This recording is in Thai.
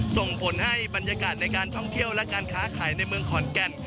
ส่งผลให้บรรยากาศในการท่องเที่ยวและการค้าขายในเมืองขอนแก่น